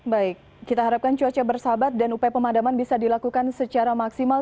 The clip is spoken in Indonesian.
baik kita harapkan cuaca bersahabat dan upaya pemadaman bisa dilakukan secara maksimal